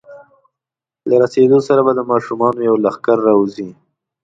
له رسېدو سره به د ماشومانو یو لښکر راوځي.